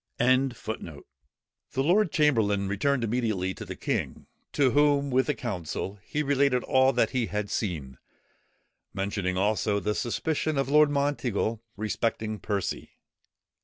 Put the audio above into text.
] The lord chamberlain returned immediately to the king, to whom, with the council, he related all that he had seen, mentioning also the suspicion of Lord Monteagle respecting Percy.